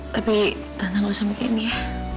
tapi tante nggak usah mikirin ini ya